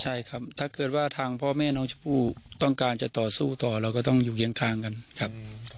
ใช่ครับถ้าเกิดว่าทางพ่อแม่น้องชมพู่ต้องการจะต่อสู้ต่อเราก็ต้องอยู่เคียงข้างกันครับ